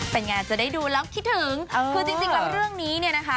เป็นไงจะได้ดูแล้วคิดถึงคือจริงแล้วเรื่องนี้เนี่ยนะคะ